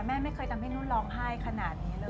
แม่ไม่เคยทำให้นุ่นร้องไห้ขนาดนี้เลย